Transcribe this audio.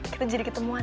kita jadi ketemuan